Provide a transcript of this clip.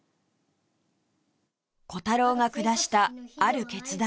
コタローが下したある決断